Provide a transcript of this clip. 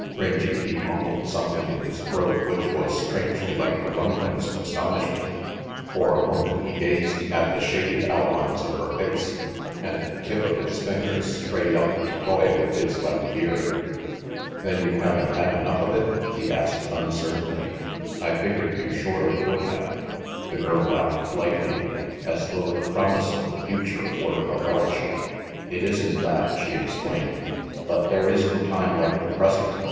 Rangy Pete mumbled something in his throat which was strangely like the rumblings of astonish ment. For a moment he gazed at the shaded out lines of her face, and the tip of his fingers strayed up to toy with his left ear. "Then you haven't had enough of it?" he asked uncertainly. "I figured you shorely would have." The girl laughed lightly, as though the promise of the future were a relish. "It isn't that," she explained, "but there is no time like the present.